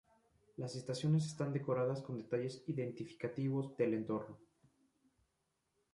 Las estaciones están decoradas con detalles identificativos del entorno.